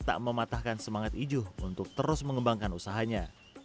tak mematahkan semangat iju untuk terus mengembangkan usahanya